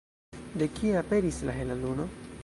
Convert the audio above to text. De kie aperis la hela luno?